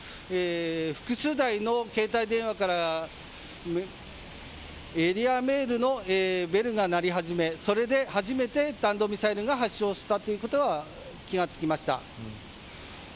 複数台の携帯電話からエリアメールのベルが鳴り始めそれで初めて弾道ミサイルが発射したということが気が付きました。